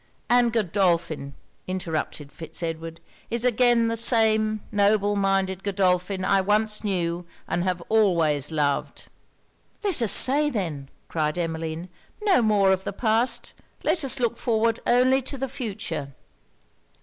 'And Godolphin,' interrupted Fitz Edward, 'is again the same noble minded Godolphin I once knew, and have always loved.' 'Let us say then,' cried Emmeline, 'no more of the past. Let us look forward only to the future.'